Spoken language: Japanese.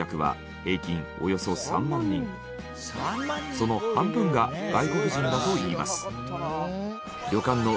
その半分が外国人だといいます。